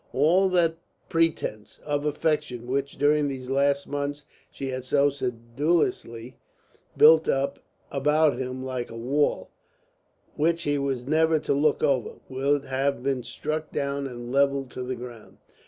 All that pretence of affection which during these last months she had so sedulously built up about him like a wall which he was never to look over, would have been struck down and levelled to the ground.